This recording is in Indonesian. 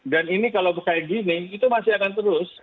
dan ini kalau kayak gini itu masih akan terus